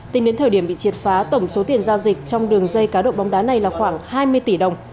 tính đến thời điểm bị triệt phá tổng số tiền giao dịch trong đường dây cá độ bóng đá này là khoảng hai mươi tỷ đồng